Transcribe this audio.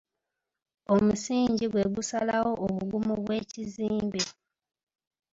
Omusingi gwe gusalawo obugumu bw'ekizimbe.